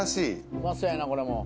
うまそうやなこれも。